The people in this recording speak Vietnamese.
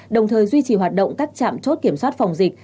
đồng thời duy trì hoạt động các trạm chốt kiểm soát phòng dịch